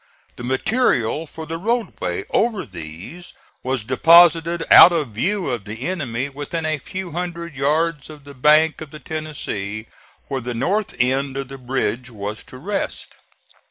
The material for the roadway over these was deposited out of view of the enemy within a few hundred yards of the bank of the Tennessee, where the north end of the bridge was to rest.